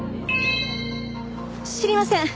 知りません！